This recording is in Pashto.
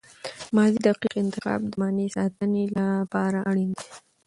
ماضي دقیق انتخاب د معنی ساتني له پاره اړین دئ.